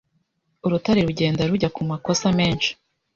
urutare rugenda rujya kumakosa menshi